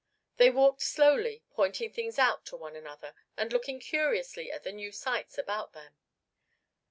They walked slowly, pointing things out to one another and looking curiously at the new sights about them.